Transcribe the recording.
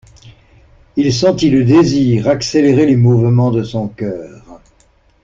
Il sentit le désir accélérer les mouvements de son cœur.